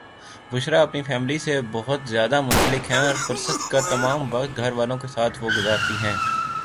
بشریٰ اپنی فیملی سے بوہت زیاد منسلک ہیں اور فرست کا تمم وقت گھر والوں کے ساتھ وہ گجراتی ہیں